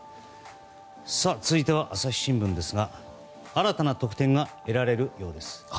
続いては、朝日新聞ですが新たな特典が得られるようです。